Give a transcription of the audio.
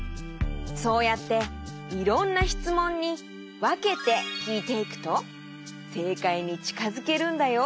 そうやっていろんなしつもんにわけてきいていくとせいかいにちかづけるんだよ。